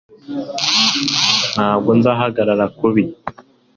Ntabwo nzahagarara kubi